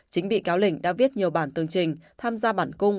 chính bị cáo lỉnh đã viết nhiều bản tương trình tham gia bản cung